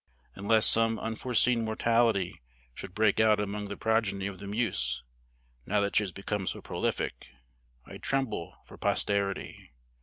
Unless some unforeseen mortality should break out among the progeny of the Muse, now that she has become so prolific, I tremble for posterity.